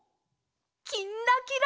「きんらきら」。